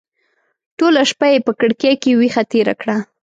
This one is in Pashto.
ټوله شپه یې په کړکۍ کې ویښه تېره کړه.